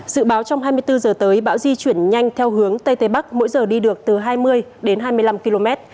dự báo trong hai mươi bốn giờ tới bão di chuyển nhanh theo hướng tây tây bắc mỗi giờ đi được từ hai mươi đến hai mươi năm km